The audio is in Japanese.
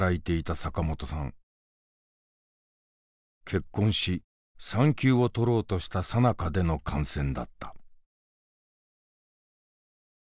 結婚し産休を取ろうとしたさなかでの感染だった。